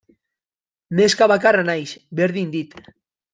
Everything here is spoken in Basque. Neska bakarra naiz, berdin dit.